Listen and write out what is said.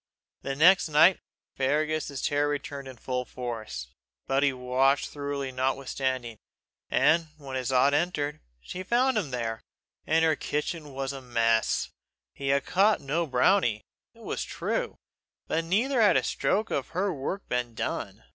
The next night, Fergus's terror returned in full force; but he watched thoroughly notwithstanding, and when his aunt entered, she found him there, and her kitchen in a mess. He had caught no brownie, it was true, but neither had a stroke of her work been done.